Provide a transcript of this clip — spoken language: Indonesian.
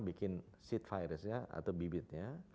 bikin seat virusnya atau bibitnya